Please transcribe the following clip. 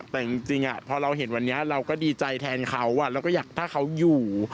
แต่จริงพอเราเห็นวันนี้เราก็ดีใจแทนเขาเราก็อยากถ้าเขาอยู่